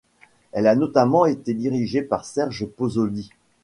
Elle a notamment été dirigée par Serge Pozzoli.